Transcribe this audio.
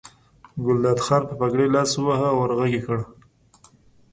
ګلداد خان په پګړۍ لاس وواهه ور غږ یې کړل.